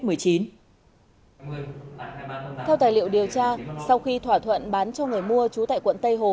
theo tài liệu điều tra sau khi thỏa thuận bán cho người mua trú tại quận tây hồ